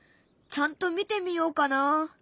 ちゃんと見てみようかな。